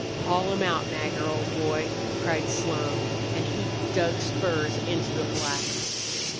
"Haul him out, Nagger, old boy!" cried Slone, and he dug spurs into the black.